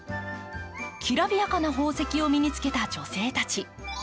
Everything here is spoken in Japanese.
きらびやかな宝石を身に着けた女性たち。